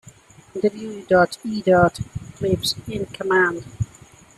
W. E. Cleaves in command.